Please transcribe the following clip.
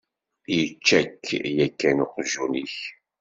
Yečča-k yakan uqjun-ik?